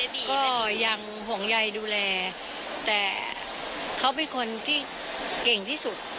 ก็ยังห่วงใยดูแลแต่เขาเป็นคนที่เก่งที่สุด